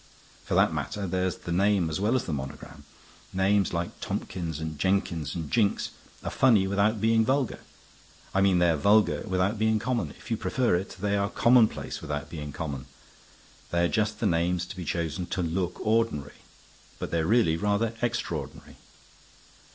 For that matter, there's the name as well as the monogram. Names like Tompkins and Jenkins and Jinks are funny without being vulgar; I mean they are vulgar without being common. If you prefer it, they are commonplace without being common. They are just the names to be chosen to look ordinary, but they're really rather extraordinary.